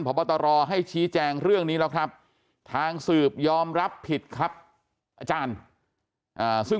พบตรให้ชี้แจงเรื่องนี้แล้วครับทางสืบยอมรับผิดครับอาจารย์ซึ่ง